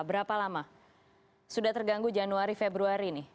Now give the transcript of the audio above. berapa lama sudah terganggu januari februari ini